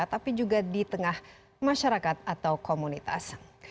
tapi juga di tengah masyarakat atau komunitas